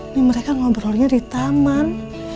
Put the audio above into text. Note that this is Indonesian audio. ini mereka ngobrolnya di taman